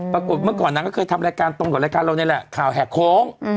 ปรากฏเมื่อก่อนนางก็เคยทำรายการตรงกับรายการเรานี่แหละข่าวแหกโค้ง